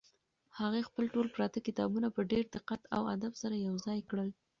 هغې خپل ټول پراته کتابونه په ډېر دقت او ادب سره یو ځای کړل.